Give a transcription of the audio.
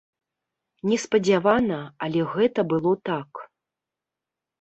Неспадзявана, але гэта было так.